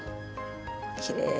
きれい！